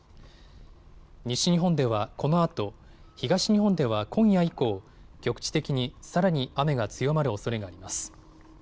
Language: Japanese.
西日本ではこのあと、東日本では今夜以降、局地的にさらに雨が強まるおそれがあります。